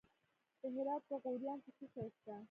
د هرات په غوریان کې څه شی شته؟